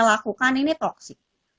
lakukan ini toxic